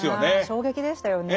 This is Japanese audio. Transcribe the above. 衝撃でしたよね。